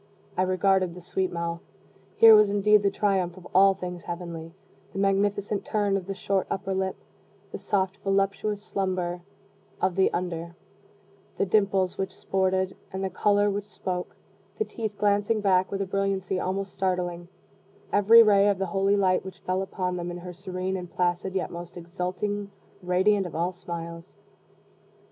I regarded the sweet mouth. Here was indeed the triumph of all things heavenly the magnificent turn of the short upper lip the soft, voluptuous slumber of the under the dimples which sported, and the color which spoke the teeth glancing back, with a brilliancy almost startling, every ray of the holy light which fell upon them in her serene and placid yet most exultingly radiant of all smiles.